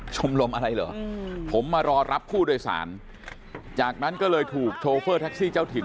ชมรมอะไรเหรอผมมารอรับผู้โดยสารจากนั้นก็เลยถูกโชเฟอร์แท็กซี่เจ้าถิ่น